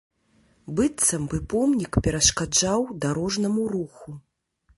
Быццам бы помнік перашкаджаў дарожнаму руху.